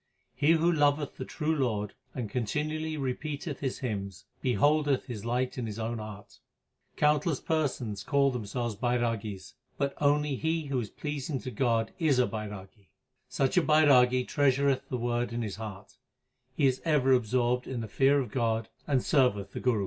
He who loveth the true Lord and continually repeateth His hymns, beholdeth His light in his own heart. Countless persons call themselves Bairagis, but only he who is pleasing to God is a Bairagi. Such a Bairagi treasureth the Word in his heart ; he is ever absorbed in the fear of God and serveth the Guru.